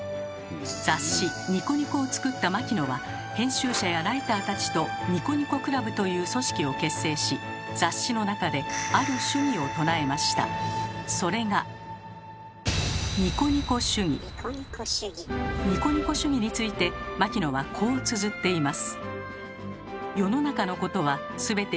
雑誌「ニコニコ」を作った牧野は編集者やライターたちと「ニコニコ倶楽部」という組織を結成し雑誌の中でそれがニコニコ主義について牧野はこうつづっています。